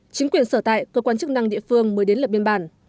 chính quyền sở tại cơ quan chức năng địa phương mới đến lập biên bản